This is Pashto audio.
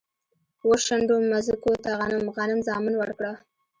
و، شنډو مځکوته غنم، غنم زامن ورکړه